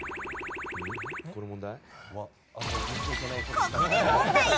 ここで問題。